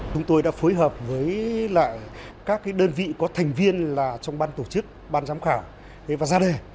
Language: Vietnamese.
chúng tôi đã phối hợp với lại các đơn vị có thành viên là trong ban tổ chức ban giám khảo và ra đề